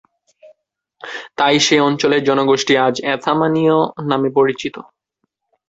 তাই সেই অঞ্চলের জনগোষ্ঠী আজ অ্যাথামানীয় নামে পরিচিত।